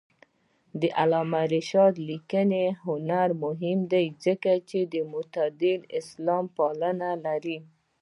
د علامه رشاد لیکنی هنر مهم دی ځکه چې معتدله اسلاميپالنه لري.